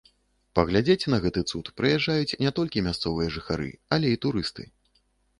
Паглядзець на гэты цуд прыязджаюць не толькі мясцовыя жыхары, але і турысты.